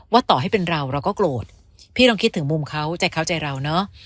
ต่อให้เป็นเราเราก็โกรธพี่ลองคิดถึงมุมเขาใจเขาใจเราเนอะ